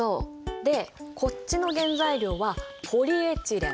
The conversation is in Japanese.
でこっちの原材料はポリエチレン。